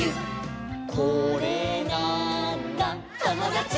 「これなーんだ『ともだち！』」